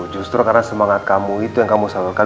justru karena semangat kamu itu yang kamu salurkan